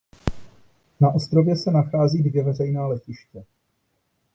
Na ostrově se nachází dvě veřejná letiště.